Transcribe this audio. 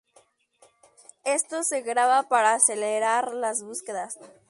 Esto se graba para acelerar las búsquedas.